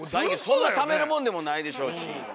そんなためるもんでもないでしょうし。